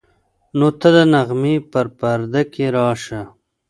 نو ته د نغمې په پرده کې راشه.